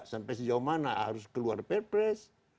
sampai sejauh mana harus keluar perpres